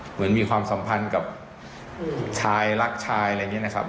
เหมือนมีความสัมพันธ์กับชายรักชายอะไรอย่างนี้นะครับ